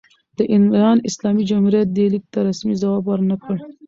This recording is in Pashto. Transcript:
د ایران اسلامي جمهوریت دې لیک ته رسمي ځواب ور نه کړ.